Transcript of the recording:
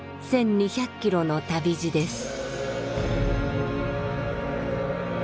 １，２００キロの旅路です。